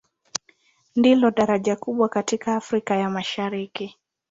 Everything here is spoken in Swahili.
Ndilo daraja kubwa katika Afrika ya Mashariki.